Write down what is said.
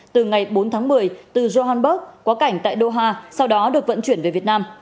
từ ngày bốn tháng một mươi từ johnberg quá cảnh tại doha sau đó được vận chuyển về việt nam